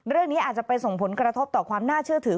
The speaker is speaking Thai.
เรื่องนี้อาจจะไปส่งผลกระทบต่อความน่าเชื่อถือ